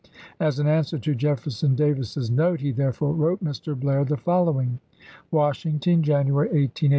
As an answer to Jefferson Davis's note he therefore wrote Mr. Blair the following: Washington, January 18, 1865.